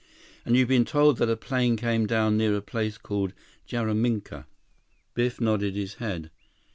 "And you've been told that a plane came down near a place called Jaraminka." Biff nodded his head.